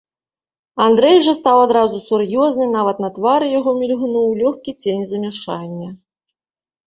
Андрэй жа стаў адразу сур'ёзны, нават на твары яго мільгнуў лёгкі цень замяшання.